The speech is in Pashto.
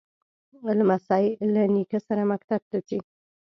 لمسی له نیکه سره مکتب ته ځي.